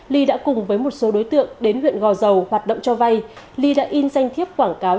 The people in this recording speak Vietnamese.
ly đã cùng với một số đối tượng đến huyện gò dầu hoạt động cho vay ly đã in danh thiếp quảng cáo